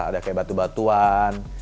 ada kayak batu batuan